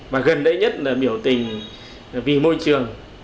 mà gần đây nhất là biểu tình vì môi trường